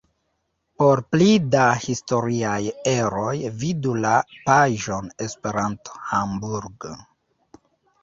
Por pli da historiaj eroj vidu la paĝon Esperanto-Hamburg.